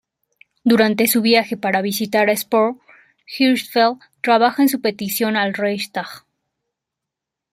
Durante su viaje para visitar a Spohr, Hirschfeld trabaja en su petición al Reichstag.